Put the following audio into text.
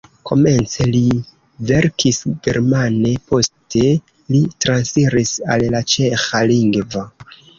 Komence li verkis germane, poste li transiris al la ĉeĥa lingvo.